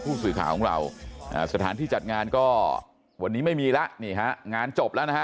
ผู้สื่อข่าวของเราสถานที่จัดงานก็วันนี้ไม่มีแล้วนี่ฮะงานจบแล้วนะฮะ